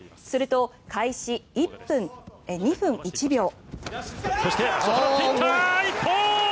すると、開始２分１秒。